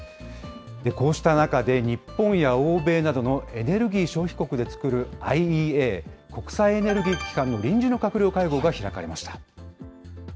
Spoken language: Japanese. こうした中で、日本や欧米などのエネルギー消費国で作るＩＥＡ・国際エネルギー機関の臨時の閣僚会合が開かれました。